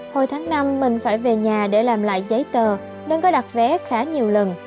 hồi tháng năm mình phải về nhà để làm lại giấy tờ nên có đặt vé khá nhiều lần